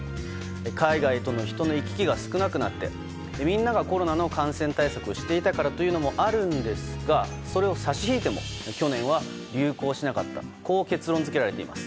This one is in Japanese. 海外との人の行き来が少なくなってみんながコロナの感染対策をしていたからというのもあるんですがそれを差し引いても去年は流行しなかったと結論づけられています。